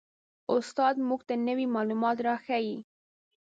استاد موږ ته نوي معلومات را ښیي